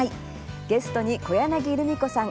ゲストに小柳ルミ子さん